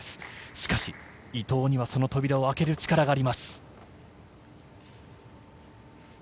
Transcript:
しかし、伊藤にはその扉を開ける力があります。